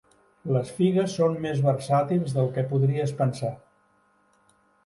Les figues són més versàtils del que podries pensar